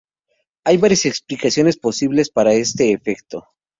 Hay varias explicaciones posibles para este efecto.